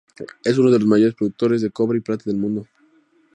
Es uno de los mayores productores de cobre y plata del mundo.